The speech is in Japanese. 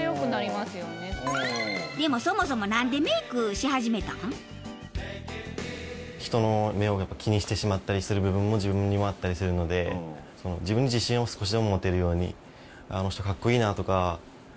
でもそもそも人の目をやっぱ気にしてしまったりする部分も自分にはあったりするので自分に自信を少しでも持てるように。